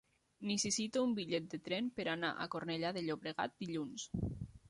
Necessito un bitllet de tren per anar a Cornellà de Llobregat dilluns.